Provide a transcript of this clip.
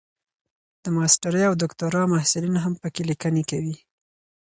د ماسټرۍ او دوکتورا محصلین هم پکې لیکني کوي.